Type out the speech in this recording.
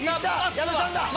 矢部さんだ。